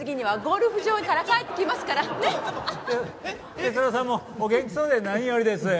哲郎さんもお元気そうで何よりです。